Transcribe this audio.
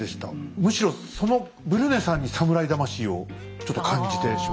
むしろそのブリュネさんに侍魂をちょっと感じてしまいましたね。